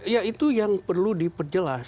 ya itu yang perlu diperjelas